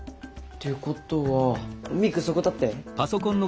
ってことはミクそこ立って。